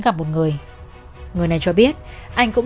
gặp một người người này cho biết anh cũng